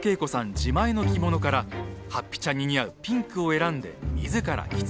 自前の着物からはっぴちゃんに似合うピンクを選んで自ら着付け。